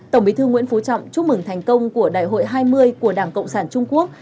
tổng bí thư nguyễn phú trọng chúc mừng thành công của đại hội hai mươi của đảng cộng sản trung quốc